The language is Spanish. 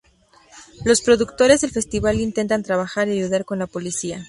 Los productores del festival intentan trabajar y ayudar con la policía.